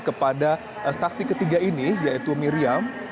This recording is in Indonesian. kepada saksi ketiga ini yaitu miriam